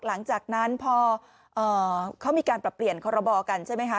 หลังจากนั้นพอเขามีการปรับเปลี่ยนคอรบกันใช่ไหมคะ